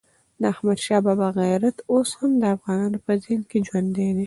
د احمدشاه بابا غیرت اوس هم د افغانانو په ذهن کې ژوندی دی.